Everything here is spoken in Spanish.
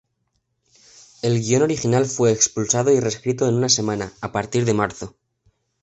El guion original fue expulsado y reescrito en una semana, a partir de marzo.